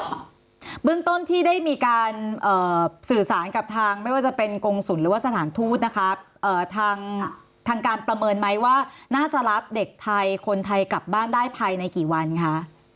เบื้องต้นที่ได้มีการสื่อสารกับทางไม่ว่าจะเป็นกงศุลหรือว่าสถานทูตนะคะทางการประเมินไหมว่าน่าจะรับเด็กไทยคนไทยกลับบ้านได้ภายในกี่วันคะ